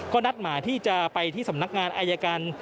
ก็นัดหมายที่จะไปที่สำนักงานอายการ